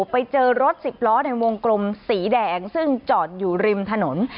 ไปเจอรถสิบล้อในวงกลมสีแดงซึ่งจอดอยู่ริมถนน